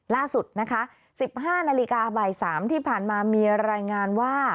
ล่าสุดนะคะ๑๕นาฬิกาบ่าย๓ที่ผ่านมามีรายงานว่า